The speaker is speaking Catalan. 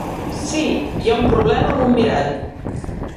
Sí, hi ha un problema amb un mirall.